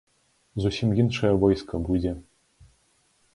Зусім іншае войска будзе.